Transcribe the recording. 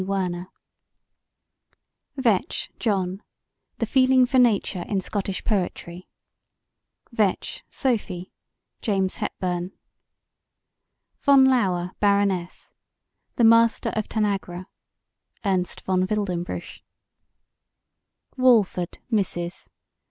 Werner) VEITCH, JOHN: The Feeling for Nature in Scottish Poetry VEITCH, SOPHIE: James Hepburn VON LAUER, BARONESS: The Master of Tanagra (Ernst von Wildenbruch) WALFORD, MRS.